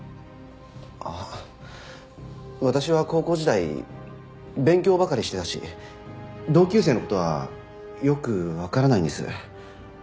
ああ私は高校時代勉強ばかりしてたし同級生の事はよくわからないんです。